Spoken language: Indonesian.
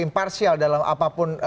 imparsial dalam apapun